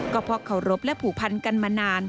ก็เพราะเคารพและผูกพันกันมานาน